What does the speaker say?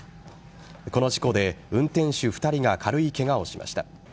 この事故で運転手２人が軽いケガをしました。